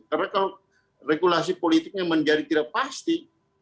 karena kalau regulasi politiknya menjadi tidak pasti